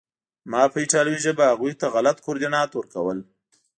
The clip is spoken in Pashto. ما به په ایټالوي ژبه هغوی ته غلط کوردینات ورکول